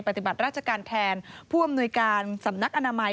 ปฏิบัติราชการแทนผู้อำนวยการสำนักอนามัย